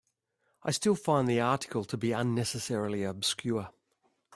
I still find the article to be unnecessarily obscure.